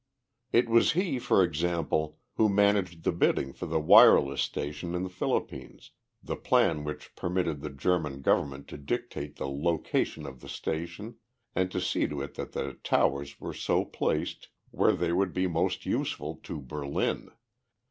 It was he, for example, who managed the bidding for the wireless station in the Philippines the plan which permitted the German government to dictate the location of the station and to see to it that the towers were so placed where they would be most useful to Berlin.